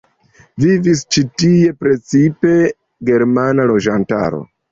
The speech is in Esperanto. Vivis ĉi tie precipe germana loĝantaro.